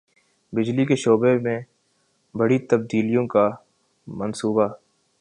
بجلی کے شعبے میں بڑی تبدیلوں کا منصوبہ